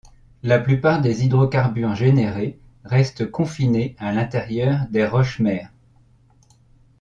La plupart des hydrocarbures générés restent confinés à l'intérieur des roches-mères.